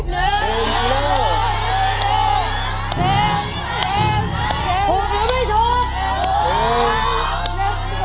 ห่วงอีกไม่ทอด